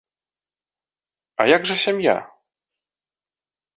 А як жа сям'я?